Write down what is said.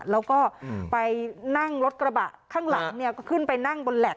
แล้วก็ไปนั่งรถกระบะข้างหลังก็ขึ้นไปนั่งบนแล็